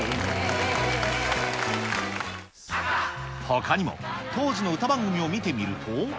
ほかにも、当時の歌番組を見てみると。